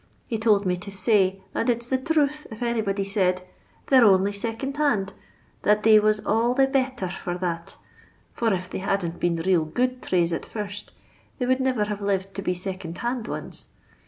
He tould me to say, and it 's the therruth, if anybody said, ' They're only second hand,' that they was all the betthur for that, for if they hadn't been real good therrays at first, they would niver have lived to be second hand ones.